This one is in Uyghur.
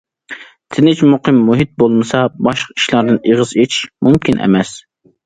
تىنچ، مۇقىم مۇھىت بولمىسا، باشقا ئىشلاردىن ئېغىز ئېچىش مۇمكىن ئەمەس.